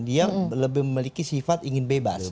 dia lebih memiliki sifat ingin bebas